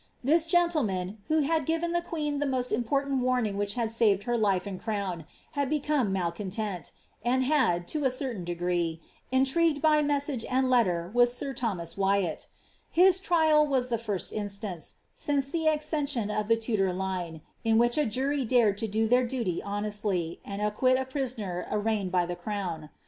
This gentleman, who had given the queea that important warning which had saved her life and crown, had become malcontent ; and had, to a certain degree, intrigued by message and letter with sir Thomas Wyatt His trial was the nrst instance, since the ae eession of the Tudor line, in which a jury dared to do their duty honestly, and acquit a prisoner arraigned by the crown.